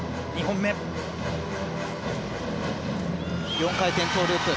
４回転トウループ。